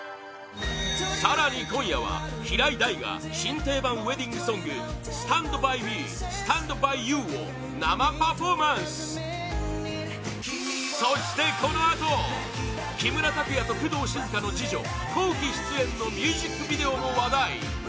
更に今夜は、平井大が新定番ウェディングソング「Ｓｔａｎｄｂｙｍｅ，Ｓｔａｎｄｂｙｙｏｕ．」を生パフォーマンスそして、このあと木村拓哉と工藤静香の次女Ｋｏｋｉ，出演のミュージックビデオも話題！